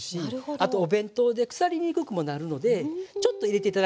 あとお弁当で腐りにくくもなるのでちょっと入れて頂くといいと思います。